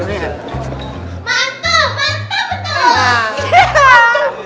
mantap mantap betul